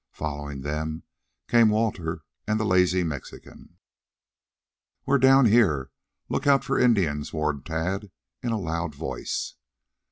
Following them came Walter and the lazy Mexican. "We're down here! Look out for the Indians!" warned Tad in a loud voice.